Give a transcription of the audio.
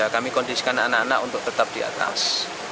kami kondisikan anak anak untuk tetap di atas